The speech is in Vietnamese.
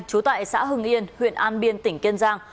trú tại xã hưng yên huyện an biên tỉnh kiên giang